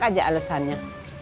mak aja alesannya